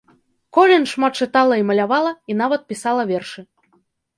Колін шмат чытала і малявала, і нават пісала вершы.